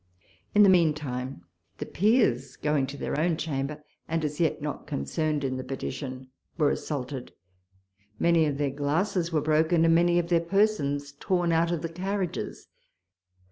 In the mean time, the Peers, going to their own Chamber, and as yet not concerned in the petition, were assaulted ; many of their glasses were broken, and many of their persons torn out of the carriages.